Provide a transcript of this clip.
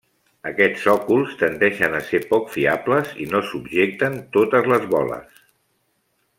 Aquests sòcols tendeixen a ser poc fiables, i no subjecten totes les boles.